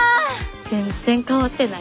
全然変わってない。